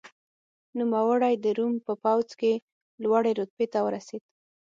نوموړی د روم په پوځ کې لوړې رتبې ته ورسېد.